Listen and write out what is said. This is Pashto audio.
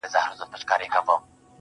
پرون مي دومره اوښكي توى كړې گراني~